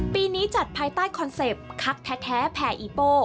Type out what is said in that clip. ปีนี้จัดภายใต้คอนเซ็ปต์คักแท้แผ่อีโป้